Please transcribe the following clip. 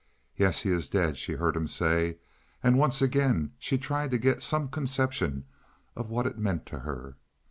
"Yes, he is dead," she heard him say; and once again she tried to get some conception of what it meant to her.